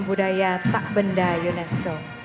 budaya tak benda unesco